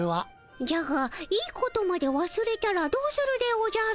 じゃがいいことまでわすれたらどうするでおじゃる？